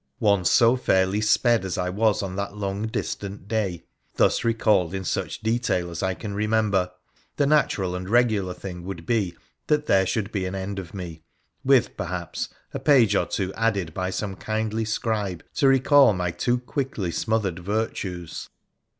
Once so fairly sped as I was on that long distant day, thus recalled in such detail as I can remember, the natural and regular thing would be that there should be an end of me, with, perhaps, a page or two added by some kindly scribe to recall my too quickly smothered virtues.